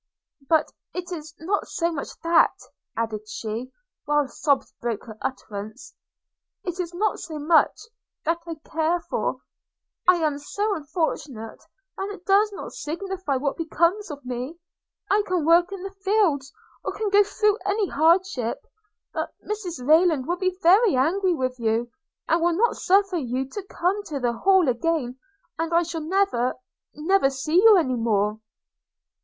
But it is not so much that,' added she, while sobs broke her utterance, 'it is not so much that I care for – I am so unfortunate that it does not signify what becomes of me: I can work in the fields, or can go through any hardship; but Mrs Rayland will be very angry with you, and will not suffer you to come to the Hall again, and I shall never – never see you any more!'